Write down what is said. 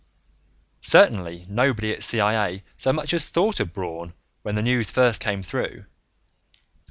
Certainly nobody at CIA so much as thought of Braun when the news first came through.